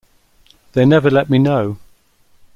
They never let me know.